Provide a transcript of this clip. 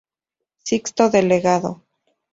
Sixto Delegado.